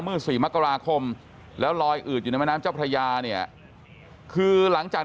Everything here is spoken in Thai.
มืด๔มคแล้วลอยอึดอยู่ในมเจ้าพระยาเนี่ยคือหลังจาก